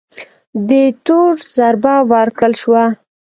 دې تور ضربه ورکړل شوه